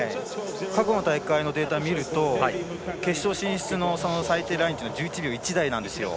過去の大会のデータを見ると決勝進出の最低ラインが１１秒１台なんですよ。